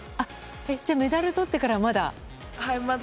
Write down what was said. じゃあメダルをとってからはまだ？